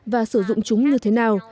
và sử dụng chúng như thế nào